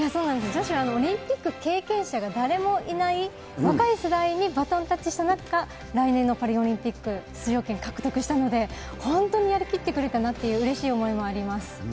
女子は、オリンピック経験者が誰もいない若い世代にバトンタッチした中、来年のパリオリンピック出場権獲得したので、本当にやり切ってくれたなっていううれしい思いもあります。